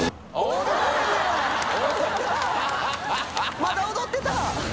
まだ踊ってた！